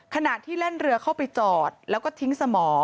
ขณะที่แล่นเรือเข้าไปจอดแล้วก็ทิ้งสมอ